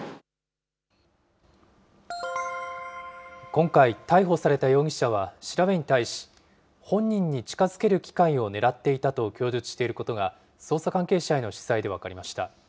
今回、逮捕された容疑者は調べに対し、本人に近づける機会を狙っていたと供述していることが、捜査関係者への取材で分かりました。